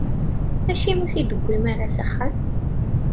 Acimi ur t-id-tewwim ara s axxam?